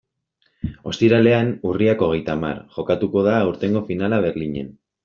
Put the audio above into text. Ostiralean, urriak hogeita hamar, jokatuko da aurtengo finala Berlinen.